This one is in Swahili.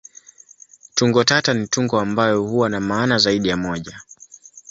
Tungo tata ni tungo ambayo huwa na maana zaidi ya moja.